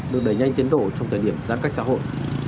được đẩy nhanh tiến độ trong thời điểm giãn cách xã hội